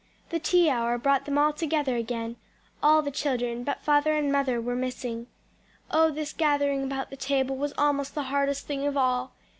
The tea hour brought them all together again all the children but father and mother were missing. Oh this gathering about the table was almost the hardest thing of all!